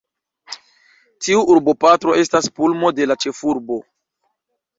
Tiu urboparto estas pulmo de la ĉefurbo.